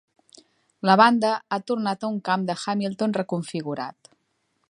La banda ha tornat a un camp de Hamilton reconfigurat.